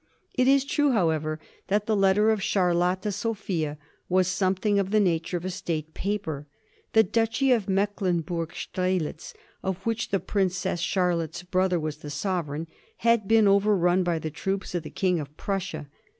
It is true, however, that the letter of Charlotte Sophia was something of the nature of a state paper. The Duchy of Mecklenburg Strelitz, of which the Princess Charlotte's brother was the sovereign, had been overrun by the troops of the King of Prussia.